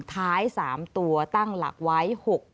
ท้าย๓ตัวตั้งหลักไว้๖๐